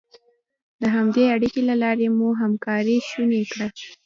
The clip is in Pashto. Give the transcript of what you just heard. د همدې اړیکې له لارې مو همکاري شونې کړه.